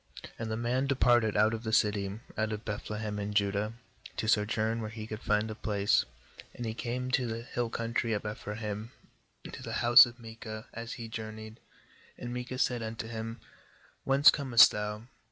8And the man de parted^out of the city, out of Beth lehem in Judah, to sojourn where he could find a place; and he came to the hill country of Ephraim to the house of Micah, as he journeyed. 9And Micah said unto him: ' Whence com est thou?'